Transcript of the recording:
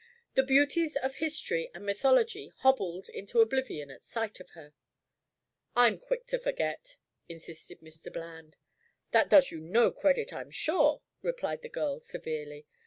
The beauties of history and mythology hobbled into oblivion at sight of her." "I'm quick to forget," insisted Mr. Bland. "That does you no credit, I'm sure," replied the girl severely.